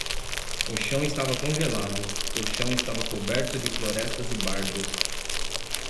O chão estava congelado; o chão estava coberto de florestas e bardos.